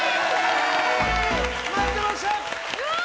待ってました！